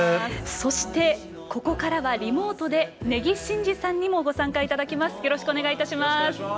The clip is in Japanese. そして、ここからはリモートで根木慎志さんにもご参加いただきます。